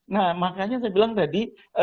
nah makanya saya bilang tadi